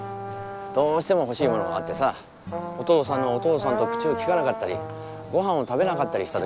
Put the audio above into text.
どうしてもほしいものがあってさお父さんのお父さんと口をきかなかったりごはんを食べなかったりしたときもあったよ。